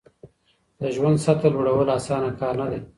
د ژوند سطحه لوړول اسانه کار نه دی.